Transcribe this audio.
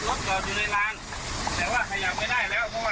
แต่ว่าขยับไม่ได้แล้วเพราะว่าน้ำมันแรงมากเลย